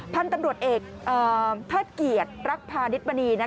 พันธุ์ตำรวจเอกเทิดเกียรติรักพาณิชมณี